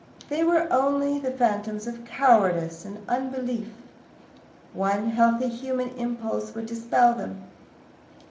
They were only the phantoms of cowardice and unbelief? One healthy human impulse would dispel them?